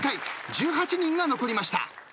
１８人が残りました。